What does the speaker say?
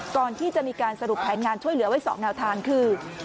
ก่อนที่จะมีการสรุปแผนงานช่วยเหลือไว้๒แนวทางคือ